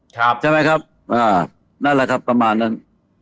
ใช่ไหมครับอ่านั่นแหละครับประมาณนั้น